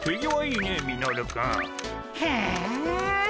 へえ。